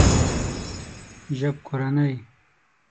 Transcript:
ژبکورنۍ